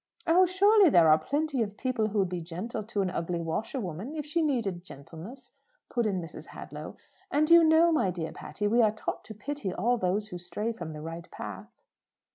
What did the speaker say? "Oh, surely there are plenty of people who would be gentle to an ugly washerwoman, if she needed gentleness," put in Mrs. Hadlow. "And you know, my dear Miss Patty, we are taught to pity all those who stray from the right path."